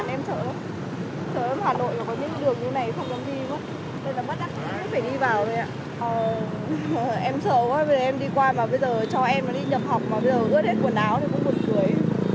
em sợ quá vì em đi qua mà bây giờ cho em đi nhập học mà bây giờ rớt hết quần áo thì cũng buồn cười